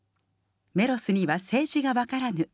メロスには政治がわからぬ。